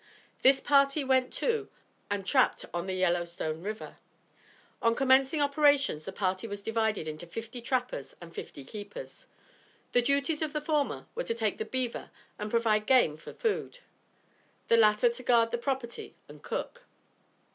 This party went to and trapped on the Yellow Stone River. On commencing operations the party was divided into fifty trappers and fifty keepers. The duties of the former were to take the beaver and provide game for food. The latter to guard their property and cook.